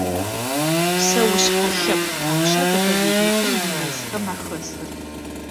Псэушъхьэ лъэпкъ тхьапша заповедникым имэзхэм ахэсыр?